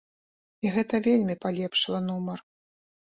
І гэта вельмі палепшыла нумар!